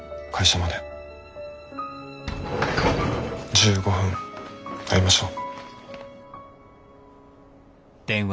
１５分会いましょう。